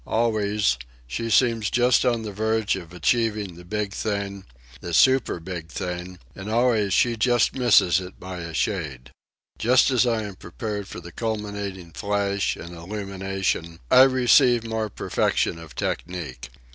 Always, she seems just on the verge of achieving the big thing, the super big thing, and always she just misses it by a shade. Just as I am prepared for the culminating flash and illumination, I receive more perfection of technique.